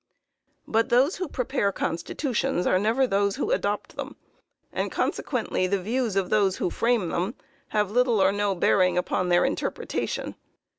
But those who prepare constitutions are never those who adopt them, and consequently the views of those who frame them have little or no bearing upon their interpretation.